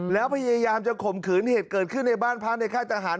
แล้วพยายามจะข่มขืนเหตุเกิดขึ้นในบ้านพระในค่ายทหาร